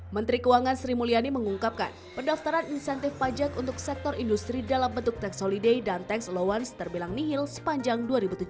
menteri keuangan sri mulyani mengungkapkan pendaftaran insentif pajak untuk sektor industri dalam bentuk tax holiday dan tax allowance terbilang nihil sepanjang dua ribu tujuh belas